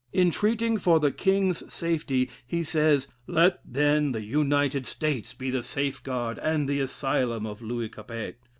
Entreating for the King's safety, he says: "Let then the United States be the safeguard and the asylum of Louis Capet.